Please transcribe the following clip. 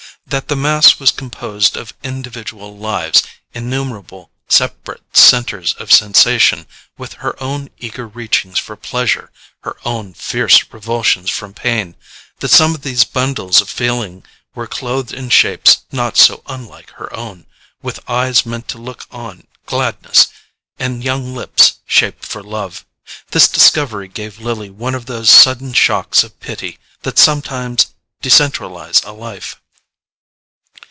That the mass was composed of individual lives, innumerable separate centres of sensation, with her own eager reachings for pleasure, her own fierce revulsions from pain—that some of these bundles of feeling were clothed in shapes not so unlike her own, with eyes meant to look on gladness, and young lips shaped for love—this discovery gave Lily one of those sudden shocks of pity that sometimes decentralize a life.